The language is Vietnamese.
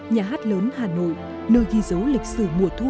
nhà hát lớn hà nội nơi ghi dấu lịch sử mùa thu